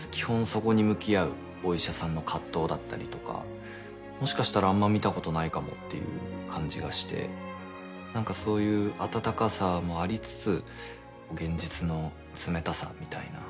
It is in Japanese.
そこに向き合うお医者さんの葛藤だったりとかもしかしたらあんま見たことないかもっていう感じがしてそういう温かさもありつつ現実の冷たさみたいな。